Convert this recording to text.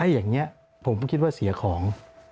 อย่างนี้ผมก็คิดว่าเสียของ